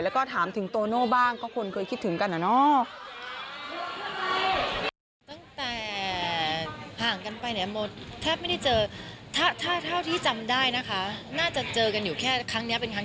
แล้วก็ถามถึงโตโน่บ้างก็คนเคยคิดถึงกันอะเนาะ